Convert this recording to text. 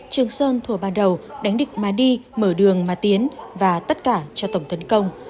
trường sơn thùa ba đầu đánh địch má đi mở đường má tiến và tất cả cho tổng tấn công